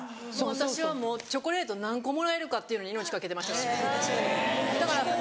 私はもうチョコレート何個もらえるかっていうのに命懸けてましたからね。